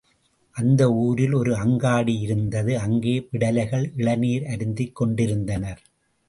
அந்த ஊரில் ஒரு அங்காடி இருந்தது அங்கே விடலைகள் இளநீர் அருந்திக் கொண்டிருந்தனர்.